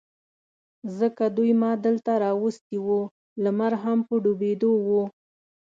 ځکه دوی ما دلته را وستي و، لمر هم په ډوبېدو و.